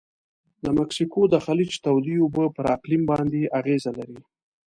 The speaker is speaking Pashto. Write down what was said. د مکسیکو د خلیج تودې اوبه پر اقلیم باندې اغیزه لري.